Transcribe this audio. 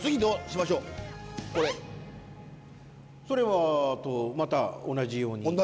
それはまた同じように。